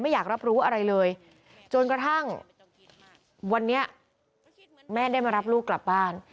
อยากรับรู้อะไรเลยจนกระทั่งวันนี้แม่ได้มารับลูกกลับบ้าน